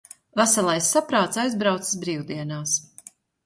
Veselais saprāts aizbraucis brīvdienās.